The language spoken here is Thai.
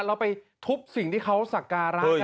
เราไปทุบสิ่งที่เขาสาการ้านกันอะ